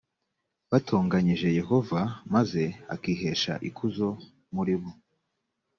batonganyije yehova maze akihesha ikuzo muri bo